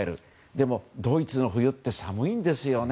でも、ドイツの冬って寒いんですよね。